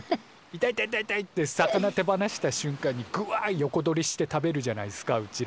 「痛い痛い痛い痛い！」って魚手放したしゅんかんにグワ横取りして食べるじゃないっすかうちら。